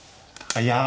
いや。